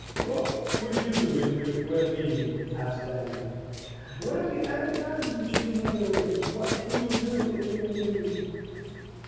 "What would HE do if it were me?" asked Dannie. "When have you iver done to Jimmy Malone what he would do if he were you?"